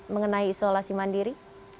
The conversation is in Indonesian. mengenai isolasi mandiri